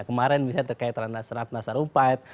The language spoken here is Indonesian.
kemarin bisa terkait dengan nasrat nasarum fahed